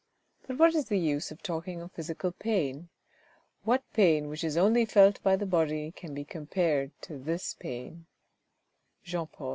But what is the use of talking of physical pain ? What pain which is only felt by the body can be com pared to this pain 1—Jean Paul.